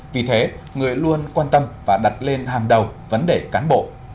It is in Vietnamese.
vì thế người luôn quan tâm và đặt lên hàng đầu vấn đề cán bộ